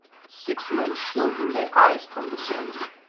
Six men shielding their eyes from the sun